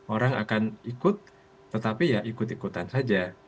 orang akan ikut tetapi ya ikut ikutan saja